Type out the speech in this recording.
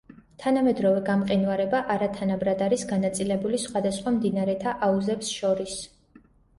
თანამედროვე გამყინვარება არათანაბრად არის განაწილებული სხვადასხვა მდინარეთა აუზებს შორის.